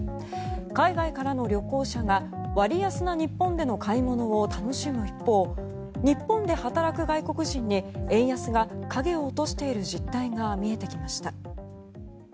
海外からの旅行者が割安な日本での買い物を楽しむ一方日本で働く外国人に円安が影を落としている実態が見えてきました。